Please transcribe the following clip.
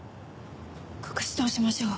隠し通しましょう。